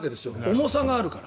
重さがあるから。